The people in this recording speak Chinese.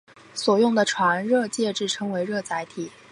所用的传热介质称为热载体。